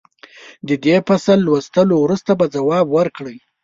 د دې فصل لوستلو وروسته به ځواب ورکړئ.